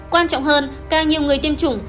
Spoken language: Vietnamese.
quan trọng hơn càng nhiều người tiêm chủng